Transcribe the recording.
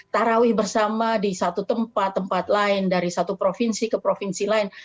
tarawih bersama di satu tempat tempat lain dari satu provinsi ke provinsi lain